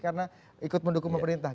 karena ikut mendukung pemerintah